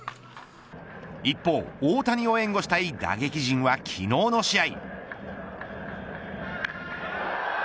一方大谷を援護したい打撃陣は昨日の試合。